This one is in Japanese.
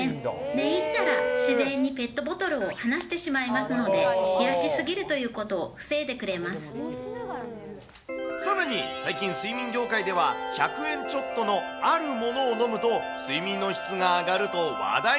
寝入ったら自然にペットボトルを離してしまいますので、冷やしすさらに、最近、睡眠業界では１００円ちょっとのあるものを飲むと、睡眠の質が上がると話題。